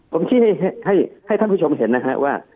ผมชี้ให้ท่านผู้ชมเห็นนะฮะว่า